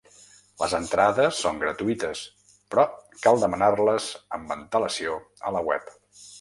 Les entrades són gratuïtes, però cal demanar-les amb antelació a la web.